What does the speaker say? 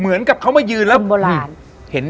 เหมือนกับเขามายืนแล้ว